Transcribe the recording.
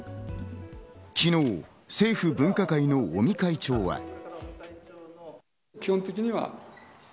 昨日、政府分科会の尾身会長は。